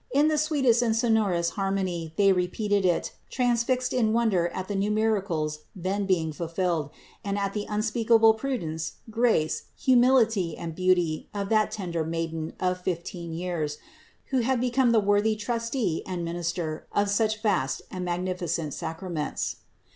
In sweetest and sonorous harmony they repeated it, transfixed in wonder at the new miracles then being fulfilled and at the unspeakable prudence, grace, humility and beauty of that tender Maiden of fifteen years, who had become the worthy Trustee and Minister of such vast and magnificent sacraments.